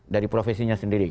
dari profesinya sendiri